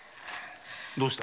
どうした？